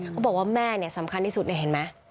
เขาบอกว่าแม่เนี่ยสำคัญที่สุดเนี่ยเห็นไหม